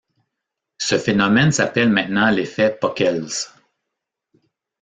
Ce phénomène s'appelle maintenant l'effet Pockels.